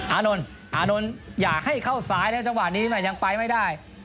อานนท์อย่าให้เข้าซ้ายนะครับจังหวะนี้ยังไปไม่ได้